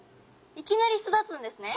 いきなり巣立つんですね？